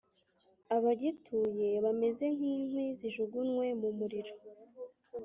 abagituye bameze nk’inkwi zijugunywe mu muriro,